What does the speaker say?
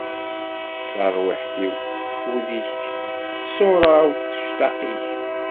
Tarwiḥt-iw teffud-ik, ṣṣura-w tectaq-ik.